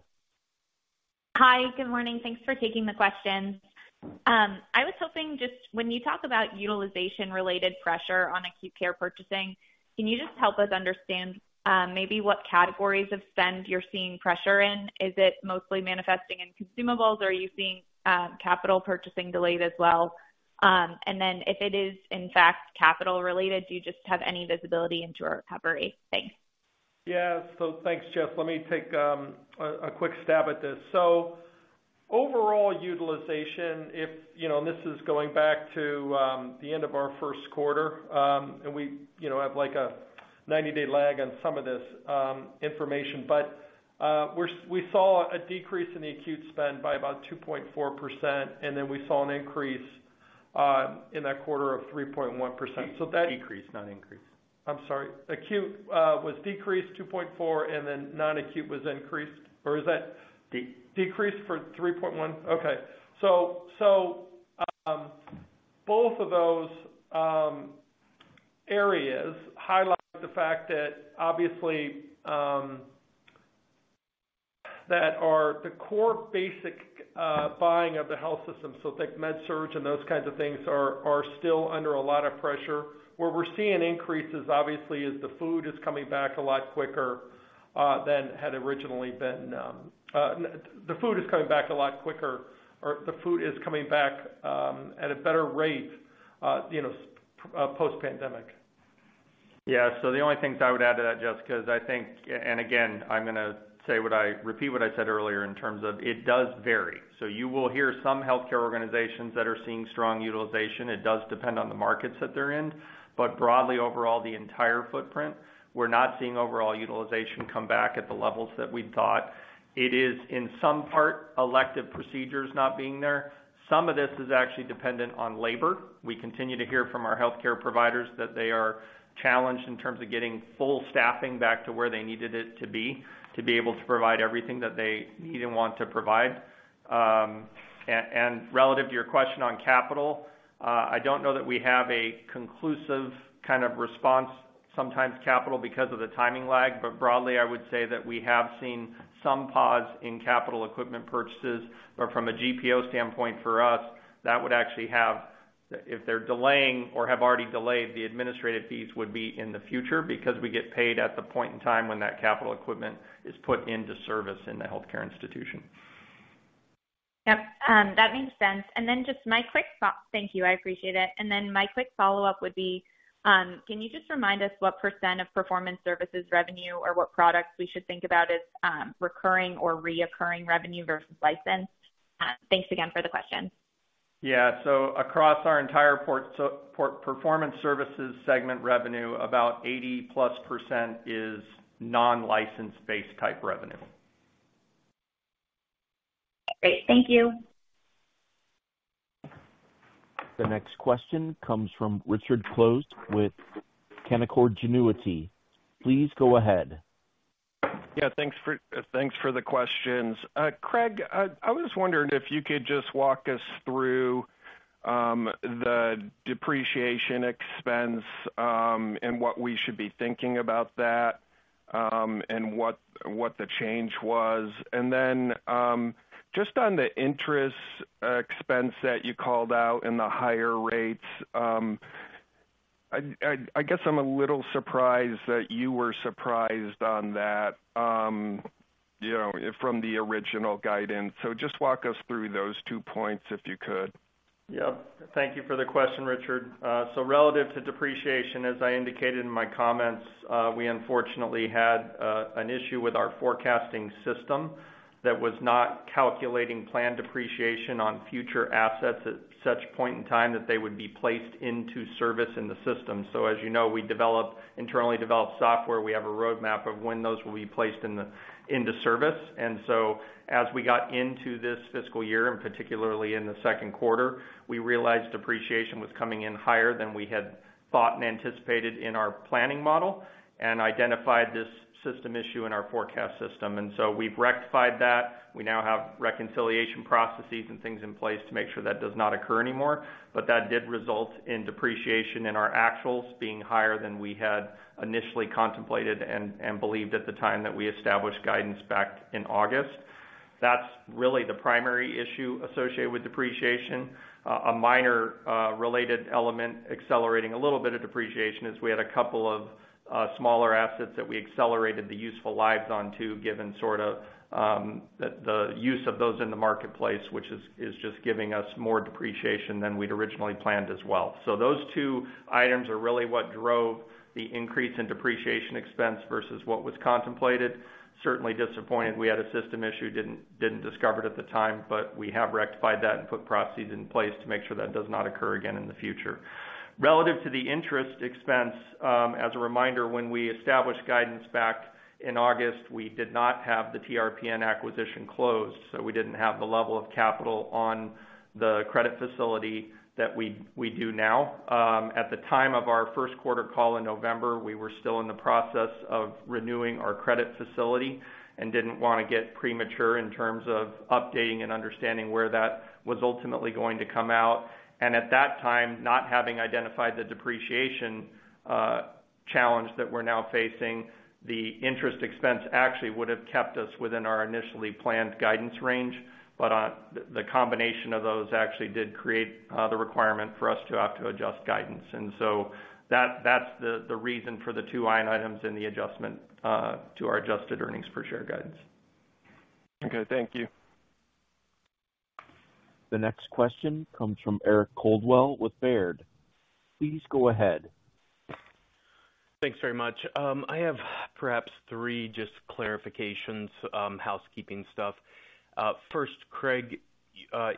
Hi, good morning. Thanks for taking the questions. I was hoping just when you talk about utilization-related pressure on acute care purchasing, can you just help us understand, maybe what categories of spend you're seeing pressure in? Is it mostly manifesting in consumables, or are you seeing capital purchasing delayed as well? If it is in fact capital related, do you just have any visibility into a recovery? Thanks. Yeah. Thanks, Jess. Let me take a quick stab at this. Overall utilization, if you know, and this is going back to the end of our first quarter, and we, you know, have like a 90-day lag on some of this information. We saw a decrease in the acute spend by about 2.4%, and then we saw an increase in that quarter of 3.1%. That. Decrease, not increase. I'm sorry. Acute was decreased 2.4, non-acute was increased. Decreased. Decreased for 3.1. Okay. Both of those areas highlight the fact that obviously, that are the core basic buying of the health system. Think Med-Surg and those kinds of things are still under a lot of pressure. Where we're seeing increases, obviously, is the food is coming back a lot quicker than had originally been. The food is coming back a lot quicker or the food is coming back at a better rate, you know, post-pandemic. Yeah. The only things I would add to that, Jess, because I think, and again, I'm going to repeat what I said earlier in terms of it does vary. You will hear some healthcare organizations that are seeing strong utilization. It does depend on the markets that they're in. Broadly, overall, the entire footprint, we're not seeing overall utilization come back at the levels that we thought. It is, in some part, elective procedures not being there. Some of this is actually dependent on labor. We continue to hear from our healthcare providers that they are challenged in terms of getting full staffing back to where they needed it to be, to be able to provide everything that they need and want to provide. And relative to your question on capital, I don't know that we have a conclusive kind of response, sometimes capital because of the timing lag. Broadly, I would say that we have seen some pause in capital equipment purchases. From a GPO standpoint, for us, that would actually If they're delaying or have already delayed, the administrative fees would be in the future because we get paid at the point in time when that capital equipment is put into service in the healthcare institution. Yep, that makes sense. Just my quick thank you, I appreciate it. My quick follow-up would be, can you just remind us what % of Performance Services revenue or what products we should think about as recurring or reoccurring revenue versus licensed? Thanks again for the question. Yeah. Across our entire Performance Services segment revenue, about 80-plus % is non-license-based type revenue. Great. Thank you. The next question comes from Richard Close with Canaccord Genuity. Please go ahead. Yeah, thanks for the questions. Craig, I was wondering if you could just walk us through the depreciation expense and what we should be thinking about that and what the change was. Just on the interest expense that you called out and the higher rates, I guess I'm a little surprised that you were surprised on that, you know, from the original guidance. Just walk us through those two points, if you could. Yeah. Thank you for the question, Richard. Relative to depreciation, as I indicated in my comments, we unfortunately had an issue with our forecasting system that was not calculating planned depreciation on future assets at such point in time that they would be placed into service in the system. As you know, we internally developed software. We have a roadmap of when those will be placed into service. As we got into this fiscal year, and particularly in the second quarter, we realized depreciation was coming in higher than we had thought and anticipated in our planning model and identified this system issue in our forecast system. We've rectified that. We now have Reconciliation processes and things in place to make sure that does not occur anymore. That did result in depreciation in our actuals being higher than we had initially contemplated and believed at the time that we established guidance back in August. That's really the primary issue associated with depreciation. A minor related element accelerating a little bit of depreciation is we had a couple of smaller assets that we accelerated the useful lives on to given sort of the use of those in the marketplace, which is just giving us more depreciation than we'd originally planned as well. Those two items are really what drove the increase in depreciation expense versus what was contemplated. Certainly disappointed we had a system issue, didn't discover it at the time, but we have rectified that and put processes in place to make sure that does not occur again in the future. Relative to the interest expense, as a reminder, when we established guidance back in August, we did not have the TRPN acquisition closed, so we didn't have the level of capital on the credit facility that we do now. At the time of our first quarter call in November, we were still in the process of renewing our credit facility and didn't wanna get premature in terms of updating and understanding where that was ultimately going to come out. At that time, not having identified the depreciation challenge that we're now facing, the interest expense actually would have kept us within our initially planned guidance range. The combination of those actually did create the requirement for us to have to adjust guidance. That's the reason for the two line items in the adjustment to our adjusted earnings per share guidance. Okay, thank you. The next question comes from Eric Coldwell with Baird. Please go ahead. I have perhaps three just clarifications, housekeeping stuff. First, Craig,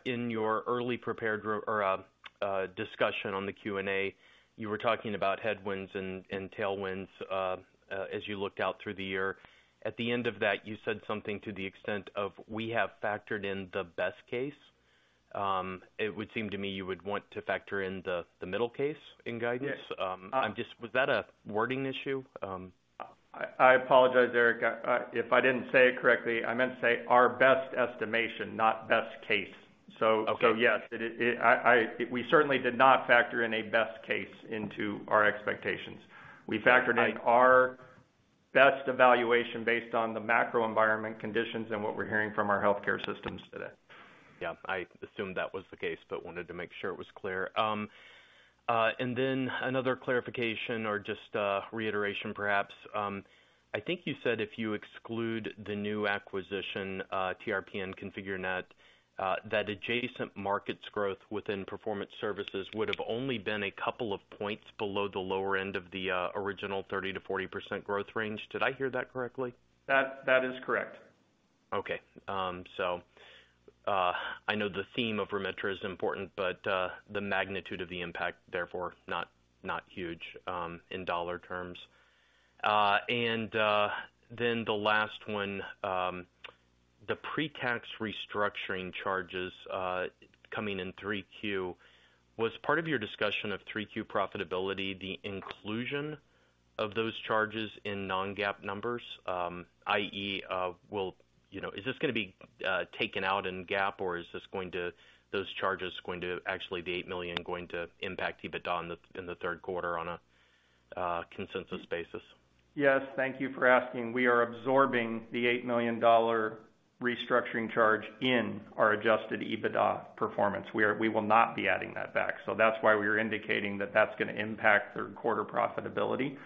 in your early prepared discussion on the Q&A, you were talking about headwinds and tailwinds as you looked out through the year. At the end of that, you said something to the extent of, "We have factored in the best case." It would seem to me you would want to factor in the middle case in guidance. Yes. Was that a wording issue? I apologize, Eric, if I didn't say it correctly. I meant to say our best estimation, not best case. Okay. Yes, we certainly did not factor in a best case into our expectations. We factored in our best evaluation based on the macro environment conditions and what we're hearing from our healthcare systems today. Yeah, I assumed that was the case, but wanted to make sure it was clear. Then another clarification or just a reiteration perhaps, I think you said if you exclude the new acquisition, TRPN ConfigureNet, that adjacent markets growth within Performance Services would have only been a couple of points below the lower end of the original 30% to 40% growth range. Did I hear that correctly? That is correct. I know the theme of Remitra is important, but the magnitude of the impact, therefore, not huge in dollar terms. The last one, the pre-tax restructuring charges coming in 3Q, was part of your discussion of 3Q profitability, the inclusion of those charges in non-GAAP numbers, i.e., you know, is this gonna be taken out in GAAP, or is this those charges going to actually, the $8 million going to impact EBITDA in the third quarter on a consensus basis? Yes. Thank you for asking. We are absorbing the $8 million restructuring charge in our adjusted EBITDA performance. We will not be adding that back. That's why we are indicating that that's gonna impact third quarter profitability.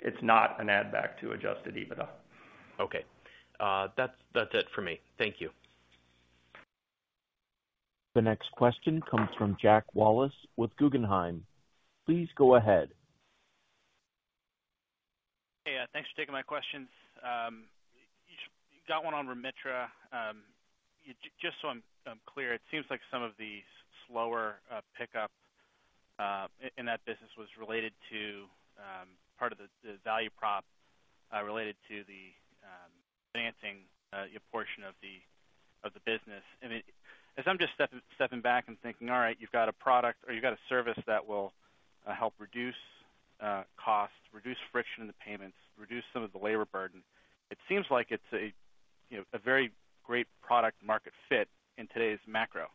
It's not an add back to adjusted EBITDA. Okay. That's it for me. Thank you. The next question comes from Jack Wallace with Guggenheim. Please go ahead. Hey. Thanks for taking my questions. You got one on Remitra. Just so I'm clear, it seems like some of the slower pickup in that business was related to part of the value prop related to the financing portion of the business. As I'm just stepping back and thinking, all right, you've got a product or you've got a service that will help reduce costs, reduce friction in the payments, reduce some of the labor burden, it seems like it's a, you know, a very great product market fit in today's macro.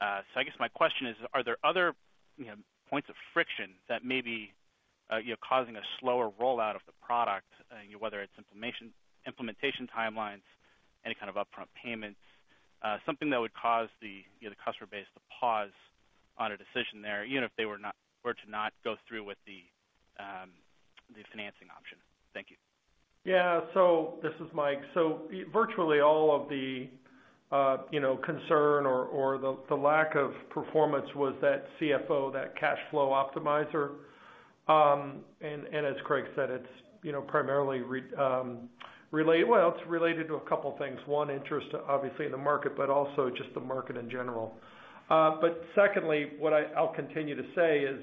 I guess my question is, are there other, you know, points of friction that may be, you know, causing a slower rollout of the product, you know, whether it's implementation timelines, any kind of upfront payments, something that would cause the, you know, the customer base to pause on a decision there, even if they were to not go through with the financing option? Thank you. Yeah. This is Mike. Virtually all of the, you know, concern or the lack of performance was that CFO, that Cash Flow Optimizer. As Craig said, it's, you know, primarily related. Well, it's related to a couple of things. One, interest, obviously in the market, but also just the market in general. Secondly, what I'll continue to say is,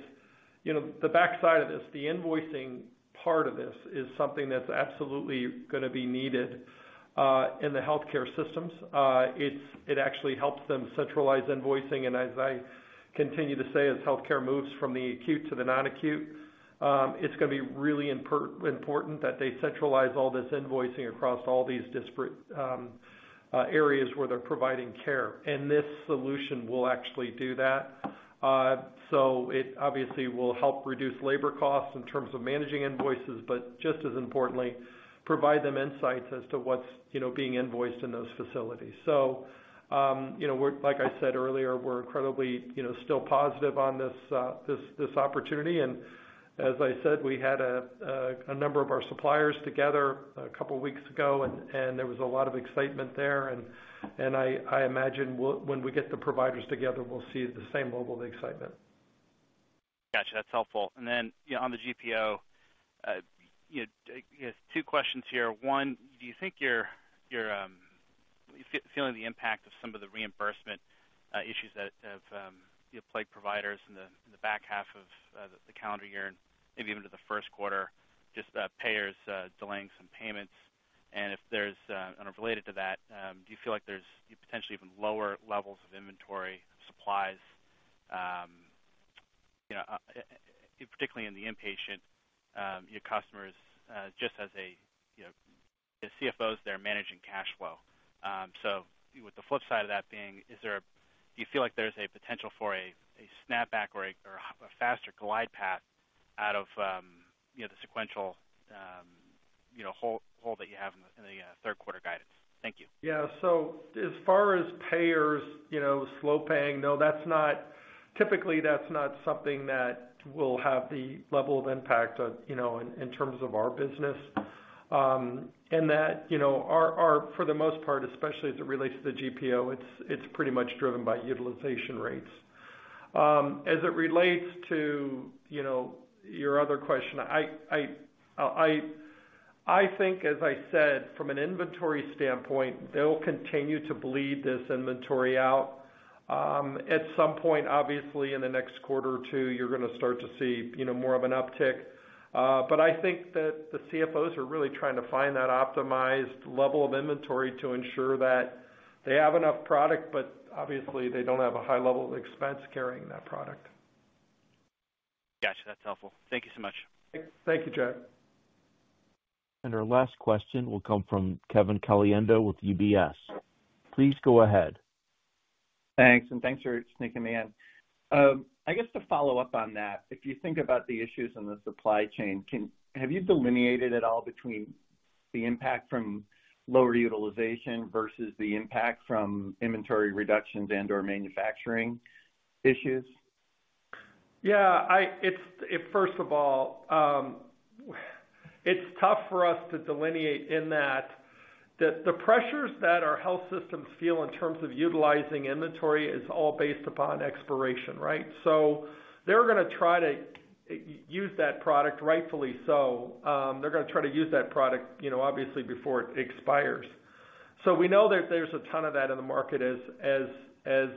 you know, the backside of this, the invoicing part of this is something that's absolutely gonna be needed in the healthcare systems. It actually helps them centralize invoicing. As I continue to say, as healthcare moves from the acute to the non-acute, it's gonna be really important that they centralize all this invoicing across all these disparate areas where they're providing care, and this solution will actually do that. It obviously will help reduce labor costs in terms of managing invoices, but just as importantly, provide them insights as to what's, you know, being invoiced in those facilities. You know, we're like I said earlier, we're incredibly, you know, still positive on this opportunity. As I said, we had a number of our suppliers together a couple weeks ago and there was a lot of excitement there. I imagine when we get the providers together, we'll see the same level of excitement. Got you. That's helpful. You know, on the GPO, you know, I guess two questions here. One, do you think you're feeling the impact of some of the reimbursement issues that have, you know, plagued providers in the back half of the calendar year and maybe even into the first quarter, just payers delaying some payments? Related to that, do you feel like there's potentially even lower levels of inventory supplies, you know, particularly in the inpatient, your customers, just as a, you know, the CFOs, they're managing cash flow? With the flip side of that being, is there a... Do you feel like there's a potential for a snapback or a faster glide path out of, you know, the sequential, you know, hole that you have in the third quarter guidance? Thank you. Yeah. As far as payers, you know, slow paying, no, that's not typically, that's not something that will have the level of impact, you know, in terms of our business. And that, you know, our for the most part, especially as it relates to the GPO, it's pretty much driven by utilization rates. As it relates to, you know, your other question, I think as I said, from an inventory standpoint, they'll continue to bleed this inventory out. At some point, obviously, in the next quarter or two, you're gonna start to see, you know, more of an uptick. I think that the CFOs are really trying to find that optimized level of inventory to ensure that they have enough product, but obviously they don't have a high level of expense carrying that product. Got you. That's helpful. Thank you so much. Thank you, Jack. Our last question will come from Kevin Caliendo with UBS. Please go ahead. Thanks, and thanks for sneaking me in. I guess to follow up on that, if you think about the issues in the Supply Chain, have you delineated at all between the impact from lower utilization versus the impact from inventory reductions and/or manufacturing issues? Yeah. First of all, it's tough for us to delineate in that the pressures that our health systems feel in terms of utilizing inventory is all based upon expiration, right? They're gonna try to use that product rightfully so. They're gonna try to use that product, you know, obviously before it expires. We know that there's a ton of that in the market as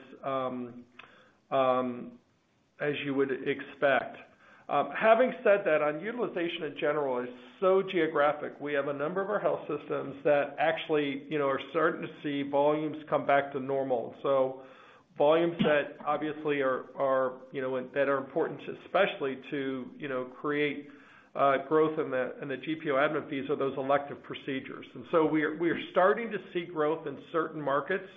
you would expect. Having said that, on utilization in general is so geographic. We have a number of our health systems that actually, you know, are starting to see volumes come back to normal. Volumes that obviously are, you know, that are important, especially to, you know, create growth in the GPO admin fees or those elective procedures. We're starting to see growth in certain markets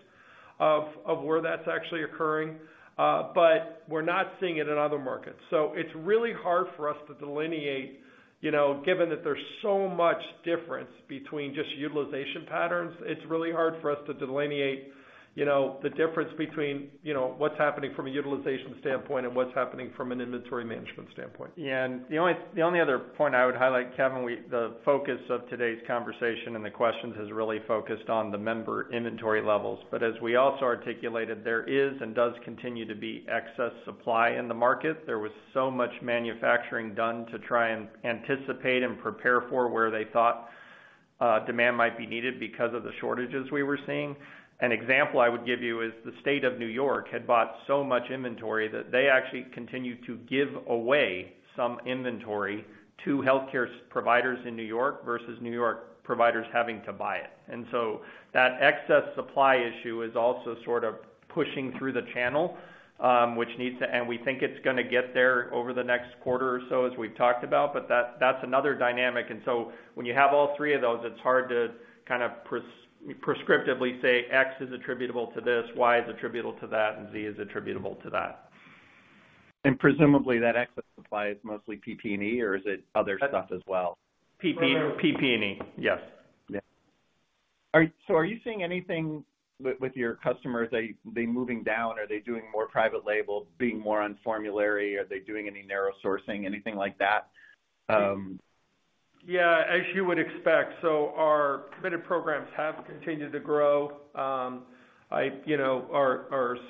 of where that's actually occurring, but we're not seeing it in other markets. It's really hard for us to delineate, you know, given that there's so much difference between just utilization patterns. It's really hard for us to delineate, you know, the difference between, you know, what's happening from a utilization standpoint and what's happening from an inventory management standpoint. Yeah. The only, the only other point I would highlight, Kevin, the focus of today's conversation and the questions has really focused on the member inventory levels. As we also articulated, there is and does continue to be excess supply in the market. There was so much manufacturing done to try and anticipate and prepare for where they thought demand might be needed because of the shortages we were seeing. An example I would give you is the State of New York had bought so much inventory that they actually continued to give away some inventory to healthcare providers in New York versus New York providers having to buy it. So that excess supply issue is also sort of pushing through the channel, which needs to... We think it's gonna get there over the next quarter or so as we've talked about, but that's another dynamic. When you have all three of those, it's hard to kind of prescriptively say X is attributable to this, Y is attributable to that, and Z is attributable to that. Presumably that excess supply is mostly PP&E, or is it other stuff as well? PP&E. Yes. Yeah. All right. Are you seeing anything with your customers, are they moving down? Are they doing more private label, being more on formulary? Are they doing any narrow sourcing, anything like that? Yeah, as you would expect. Our committed programs have continued to grow. Our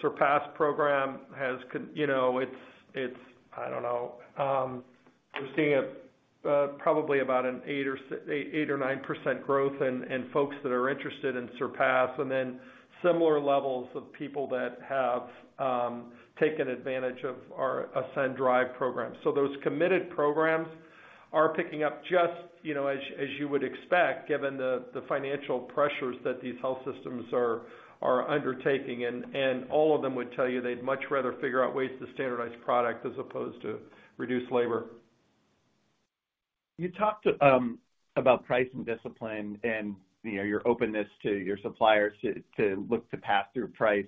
SURPASS program, we're seeing probably about an 8% or 9% growth in folks that are interested in SURPASS and then similar levels of people that have taken advantage of our AscenDrive program. Those committed programs are picking up just, you know, as you would expect, given the financial pressures that these health systems are undertaking and all of them would tell you they'd much rather figure out ways to standardize product as opposed to reduce labor. You talked about pricing discipline and, you know, your openness to your suppliers to look to pass through price.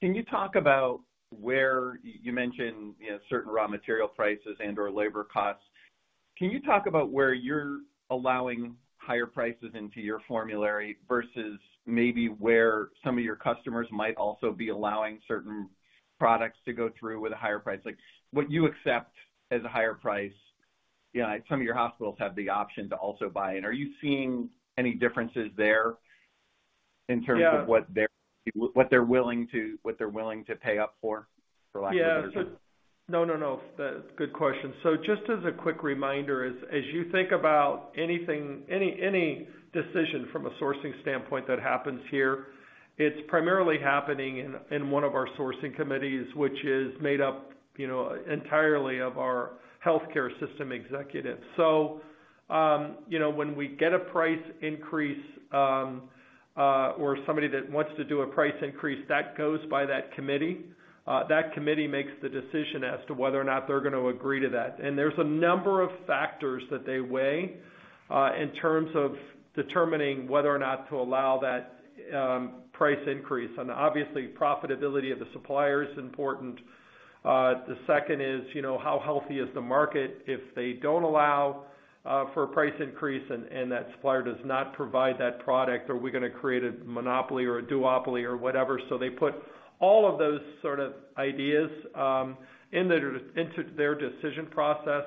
Can you talk about where you mentioned, you know, certain raw material prices and/or labor costs. Can you talk about where you're allowing higher prices into your formulary versus maybe where some of your customers might also be allowing certain products to go through with a higher price? Like what you accept as a higher price, you know, some of your hospitals have the option to also buy in. Are you seeing any differences there in terms of what they're willing to pay up for lack of a better term? Yeah. No, no. That's a good question. Just as a quick reminder, as you think about anything, any decision from a sourcing standpoint that happens here, it's primarily happening in one of our sourcing committees, which is made up, you know, entirely of our healthcare system executives. You know, when we get a price increase, or somebody that wants to do a price increase, that goes by that committee, that committee makes the decision as to whether or not they're gonna agree to that. There's a number of factors that they weigh, in terms of determining whether or not to allow that price increase. Obviously, profitability of the supplier is important. The second is, you know, how healthy is the market if they don't allow for a price increase and that supplier does not provide that product? Are we gonna create a monopoly or a duopoly or whatever? They put all of those sort of ideas into their decision process,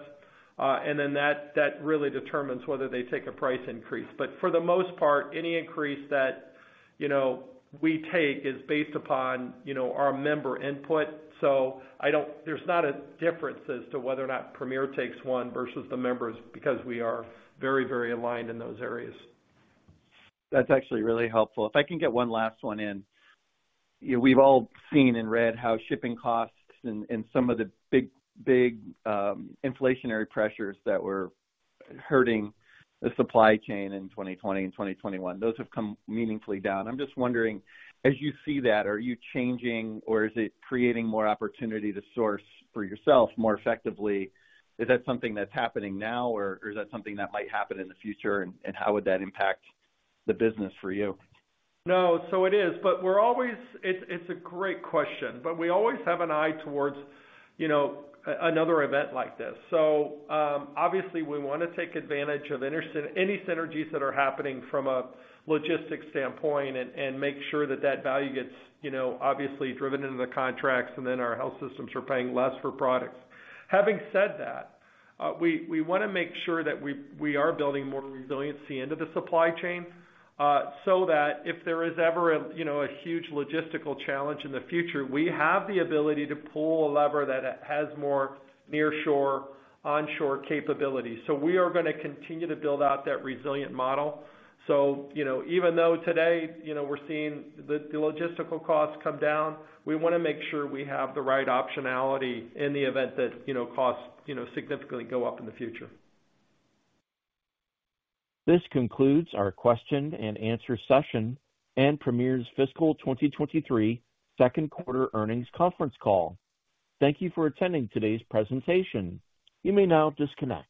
and then that really determines whether they take a price increase. For the most part, any increase that, you know, we take is based upon, you know, our member input. There's not a difference as to whether or not Premier takes one versus the members, because we are very, very aligned in those areas. That's actually really helpful. If I can get one last one in. We've all seen and read how shipping costs and some of the big inflationary pressures that were hurting the Supply Chain in 2020 and 2021, those have come meaningfully down. I'm just wondering, as you see that, are you changing or is it creating more opportunity to source for yourself more effectively? Is that something that's happening now or is that something that might happen in the future, and how would that impact the business for you? No, it is. We're always... It's a great question, but we always have an eye towards, you know, another event like this. Obviously we wanna take advantage of any synergies that are happening from a logistics standpoint and make sure that that value gets, you know, obviously driven into the contracts, and then our health systems are paying less for products. Having said that, we wanna make sure that we are building more resiliency into the Supply Chain, so that if there is ever a, you know, a huge logistical challenge in the future, we have the ability to pull a lever that has more near shore, on shore capabilities. We are gonna continue to build out that resilient model. You know, even though today, you know, we're seeing the logistical costs come down, we wanna make sure we have the right optionality in the event that, you know, costs, you know, significantly go up in the future. This concludes our question and answer session and Premier's fiscal 2023 second quarter earnings conference call. Thank you for attending today's presentation. You may now disconnect.